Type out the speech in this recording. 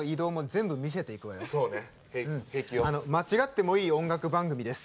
間違ってもいい音楽番組です。